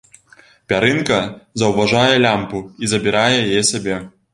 Пярынка заўважае лямпу і забірае яе сабе.